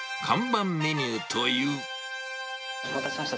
お待たせしました。